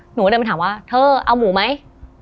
หนูก็เดินไปถามว่าเธอเอาหมูไหม